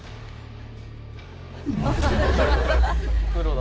プロだ。